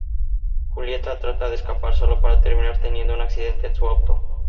Juliette trata de escapar solo para terminar teniendo un accidente en su auto.